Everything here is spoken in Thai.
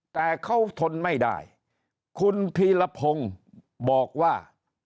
แต่เขาทนไม่ได้คุณพีรพงศ์บอกว่า